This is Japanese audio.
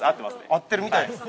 ◆合ってるみたいです。